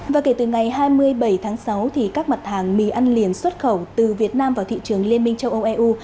và kể từ ngày hai mươi bảy tháng sáu thì các mặt hàng mì ăn liền xuất khẩu từ việt nam vào thị trường liên minh châu âu eu